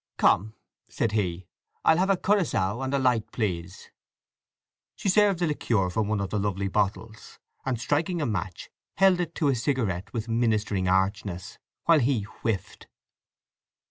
"Come!" said he, "I'll have a curaçao; and a light, please." She served the liqueur from one of the lovely bottles and striking a match held it to his cigarette with ministering archness while he whiffed.